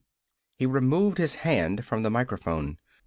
He removed his hand from the microphone.